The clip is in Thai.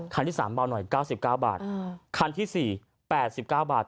คันที่๓เบาหน่อย๙๙บาทคันที่๔๘๙บาท